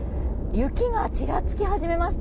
雪がちらつき始めました。